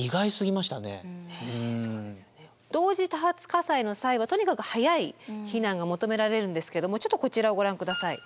同時多発火災の際はとにかく早い避難が求められるんですけどちょっとこちらをご覧ください。